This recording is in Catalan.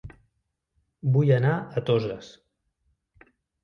Vull anar a Toses